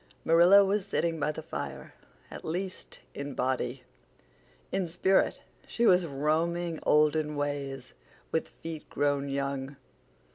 Marilla was sitting by the fire—at least, in body. In spirit she was roaming olden ways, with feet grown young.